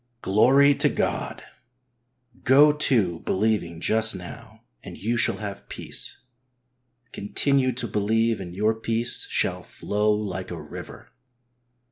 Glory to God ! Go to believing just now, and you shall have peace. Continue to believe and your peace shall flow like a river.